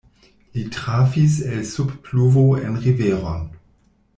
Li trafis el sub pluvo en riveron.